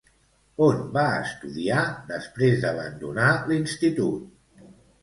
On va estudiar després d'abandonar l'institut?